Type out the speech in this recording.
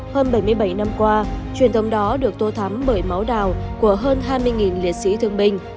hơn bảy mươi bảy năm qua truyền thông đó được tô thắm bởi máu đào của hơn hai mươi liệt sĩ thương binh